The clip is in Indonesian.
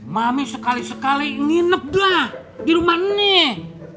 mami sekali sekali nginep dah di rumah nih